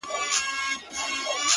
خالقه ما خو واوريدی سُروز په سجده کي!